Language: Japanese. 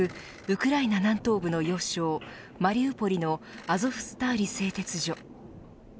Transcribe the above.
ウクライナ南東部の要衝マリウポリのアゾフスターリ製鉄所。